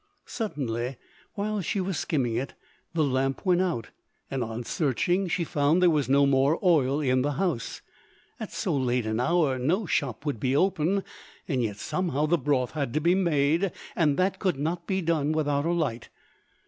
Suddenly while she was skimming it, the lamp went out, and, on searching, she found there was no more oil in the house. At so late an hour no shop would be open, yet somehow the broth had to be made, and that could not be done without a light.